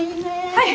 はい。